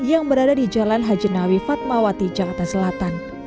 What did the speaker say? yang berada di jalan hajenawi fatmawati jakarta selatan